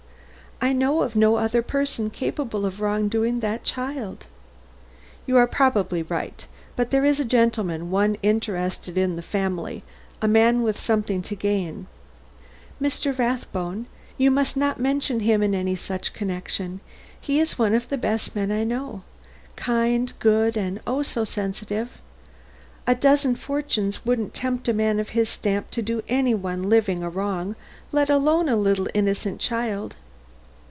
"I know of no other person capable of wronging that child." "You are probably right. But there is a gentleman one interested in the family a man with something to gain " "Mr. Rathbone? You must not mention him in any such connection. He is one of the best men I know kind, good, and oh, so sensitive! A dozen fortunes wouldn't tempt a man of his stamp to do any one living a wrong, let alone a little innocent child."